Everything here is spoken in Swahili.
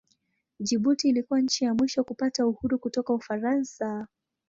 Jibuti ilikuwa nchi ya mwisho kupata uhuru kutoka Ufaransa.